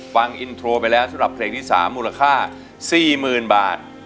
ฟังอินโทรไปแล้วสำหรับเพลงที่๓มูลค่า๔๐๐๐บาท